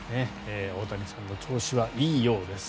大谷さんの調子はいいようです。